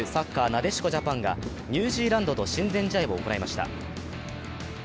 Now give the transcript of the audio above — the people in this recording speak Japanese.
なでしこジャパンが、ニュージーランドと親善試合を行いました。